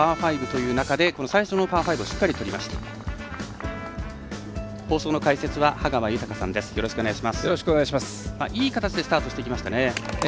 いい形でスタートしてきましたね。